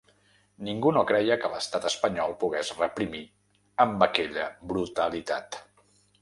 Ningú no creia que l’estat espanyol pogués reprimir amb aquella brutalitat.